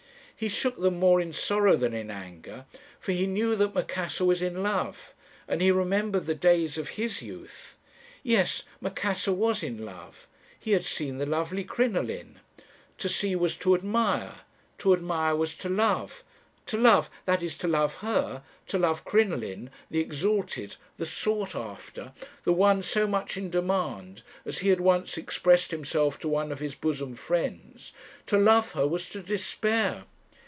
He shook them more in sorrow than in anger; for he knew that Macassar was in love, and he remembered the days of his youth. Yes; Macassar was in love. He had seen the lovely Crinoline. To see was to admire; to admire was to love; to love that is, to love her, to love Crinoline, the exalted, the sought after, the one so much in demand, as he had once expressed himself to one of his bosom friends to love her was to despair.